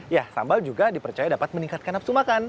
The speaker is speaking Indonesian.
ya sambal juga dipercaya dapat meningkatkan nafsu makan